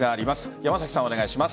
山崎さん、お願いします。